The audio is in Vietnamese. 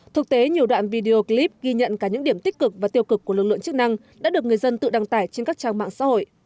thực tế nhiều đoạn video clip ghi nhận cả những điểm tích cực và tiêu cực của lực lượng chức năng đã được người dân tự đăng tải trên các trang mạng xã hội